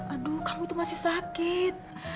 aduh kamu tuh masih sakit